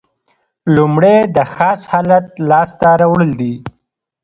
لومړی د خاص حالت لاس ته راوړل دي.